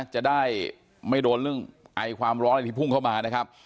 จะได้ไม่โดนเรื่องไอความร้อนที่พุ่งเข้ามา